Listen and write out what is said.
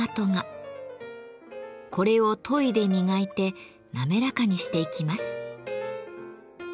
これを研いで磨いて滑らかにしていきます。